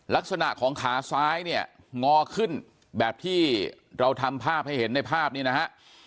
ลักษณะของขาซ้ายเนี่ยงอขึ้นแบบที่เราทำภาพให้เห็นในภาพนี้นะฮะ